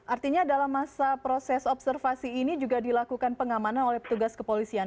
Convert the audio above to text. artinya dalam masa proses observasi ini juga dilakukan pengamanan oleh petugas kepolisian